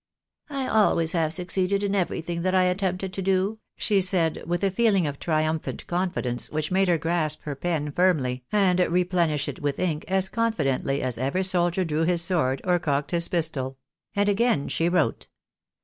" I always have succeeded in everything that I attempted to do," she said, with a feeling of triumphant confidence which made her grasp her pen firmly, and replenish it with ink as confidently as ever soldier drew his sword, or cocked his pistol ; and again sha wrote.